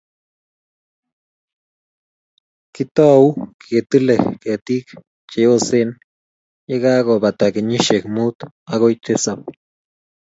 kitou ketile ketik cheyosen yekakobata kenyisiek muutu akoi tisab